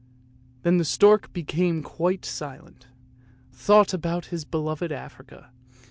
Then the stork became quite silent, and thought about his beloved Africa.